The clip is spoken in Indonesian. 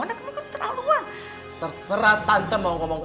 anak kamu kan terlalu anggun terserah tante mau ngomong apa tentang aku aku nggak peduli